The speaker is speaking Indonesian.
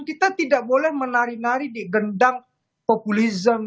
kita tidak boleh menari nari di gendang populisme